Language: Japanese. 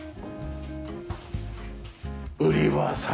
売りは桜。